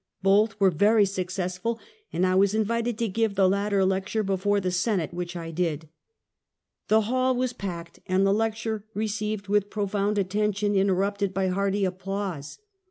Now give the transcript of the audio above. Both were very successful, and I was invited to give the latter lecture before the Senate, whicli I did. The hall was packed and the lecture received with profound attention, interrupted by hearty applause.